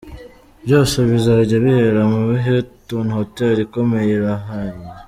Byose bizajya bibera muri Hilton Hotel ikomeye i La Haye.